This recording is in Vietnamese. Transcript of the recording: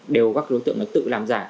đều các đối tượng tự làm giả